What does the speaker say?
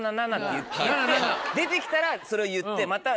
出てきたらそれを言ってまた考える時。